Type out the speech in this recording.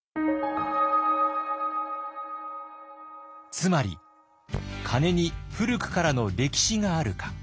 つまり鐘に古くからの歴史があるか。